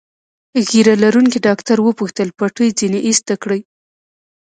ږیره لرونکي ډاکټر وپوښتل: پټۍ ځینې ایسته کړي؟